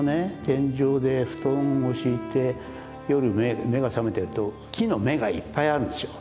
天井で布団を敷いて夜目が覚めてると木の目がいっぱいあるんですよ。